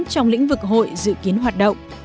trong lĩnh vực hội dự kiến hoạt động